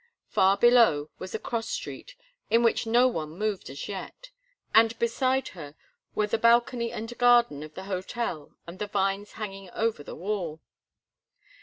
Far below was a cross street in which no one moved as yet, and beside her were the balcony and garden of the hotel and the vines hanging over the wall.